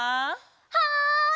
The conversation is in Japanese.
はい！